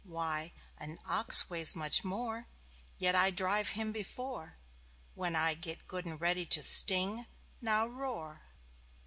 Why, an ox weighs much more, Yet I drive him before When I get good and ready to sting. Now, roar!"